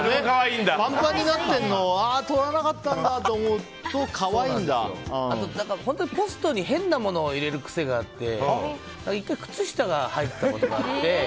パンパンになってるの取らなかったんだと思うとポストに変なものを入れる癖があって、１回靴下が入っていたことがあって。